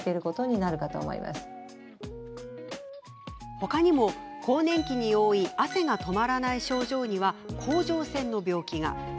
他にも更年期に多い汗が止まらない症状には甲状腺の病気が。